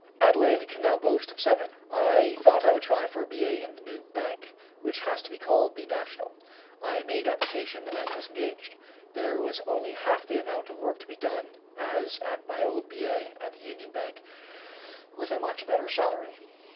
Adelaide can now boast of seven. I thought I would try for a billet in the new hank, which was to be called The National. I made application and was engaged; there was only half the amount of work to be done as at my old billet at the Union Bank, with a much better salary.